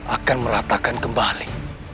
akan meratakan kembali